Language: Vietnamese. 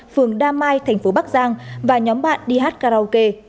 phường đa mai thành phố bắc giang và nhóm bạn đi hát karaoke